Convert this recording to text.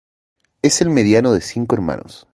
Es el mediano de cinco hermanos.